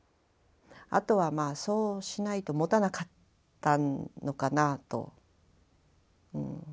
あとはまあそうしないともたなかったのかなと。